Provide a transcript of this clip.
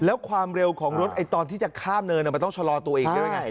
แล้วความเร็วของรถตอนที่จะข้ามเนินมันต้องชะลอตัวเองด้วยไง